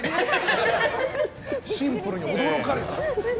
シンプルに驚かれた。